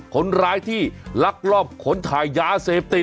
คนร้ายที่ลักลอบขนถ่ายยาเสพติด